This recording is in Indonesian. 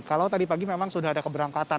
kalau tadi pagi memang sudah ada keberangkatan